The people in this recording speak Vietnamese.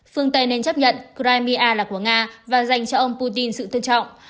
phương tây nên chấp nhận crimea là của nga và dành cho ông putin sự tân trọng